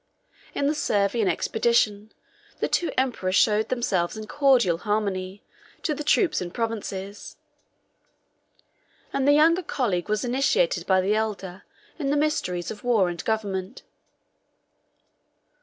In the Servian expedition, the two emperors showed themselves in cordial harmony to the troops and provinces; and the younger colleague was initiated by the elder in the mysteries of war and government.